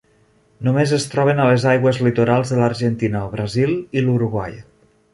Només es troben a les aigües litorals de l'Argentina, el Brasil i l'Uruguai.